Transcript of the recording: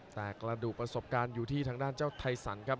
แต่กระดูกประสบการณ์อยู่ที่ทางด้านเจ้าไทสันครับ